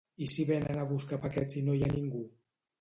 I si venen a buscar paquets i no hi ha ningú?